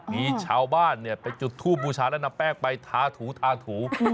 มีชาวบ้านไปจุดทูบบูชาแล้วนำแป้งไปทาถูทาถู